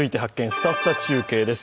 すたすた中継」です。